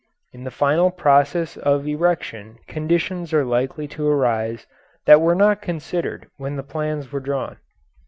In the final process of erection conditions are likely to arise that were not considered when the plans were drawn.